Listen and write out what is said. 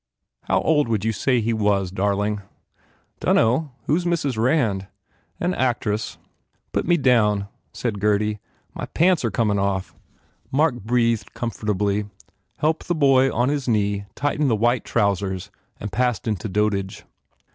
"How old would you say he was, darling?" "Dunno. Who s Mrs. Rand?" "An actress." "Put me down," said Gurdy, "My pants are comin off." Mark breathed comfortably, helped the boy on his knee tighten the white trousers and passed into dotage.